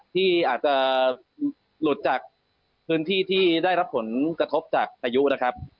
ที่อาจจะหลุดจากพื้นที่ที่ได้รับผลกระทบจากพายุนะครับ